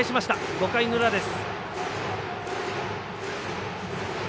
５回の裏です。